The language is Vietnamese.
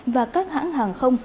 và các hãng hàng không